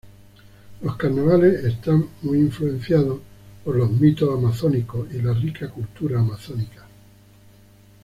Los carnavales está muy influenciada por los mitos amazónicos y la rica cultura amazónica.